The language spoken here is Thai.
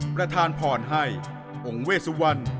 ประธานพรให้องค์เวสวรรณ